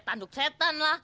kayak tanduk setan lah